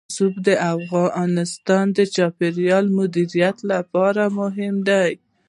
رسوب د افغانستان د چاپیریال د مدیریت لپاره مهم دي.